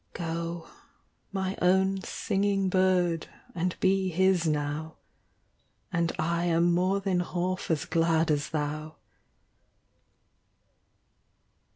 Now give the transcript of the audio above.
Go, my own singing bird, and be his now ; And I am more than half as glad as thou.